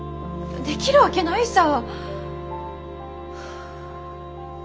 できるわけないさ。